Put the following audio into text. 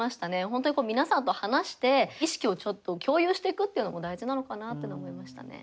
本当に皆さんと話して意識をちょっと共有していくっていうのも大事なのかなっていうのは思いましたね。